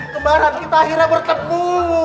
kebaran kita akhirnya bertemu